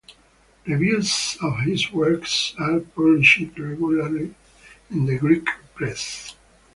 Reviews of his work are published regularly in the Greek press.